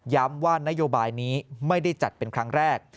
ว่านโยบายนี้ไม่ได้จัดเป็นครั้งแรก